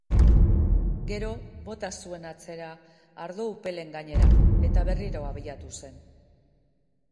Gero, bota zuen atzera, ardo-upelen gainera, eta berriro abiatu zen.